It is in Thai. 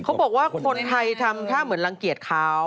เขาบอกว่าคนไทยทำท่าเหมือนรังเกียจเขา